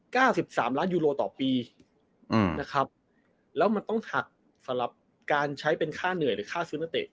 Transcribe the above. สิบสามล้านยูโรต่อปีอืมนะครับแล้วมันต้องหักสำหรับการใช้เป็นค่าเหนื่อยหรือค่าซื้อนักเตะ